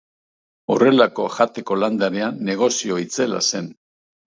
Horrelako jateko landarea negozio itzela zen.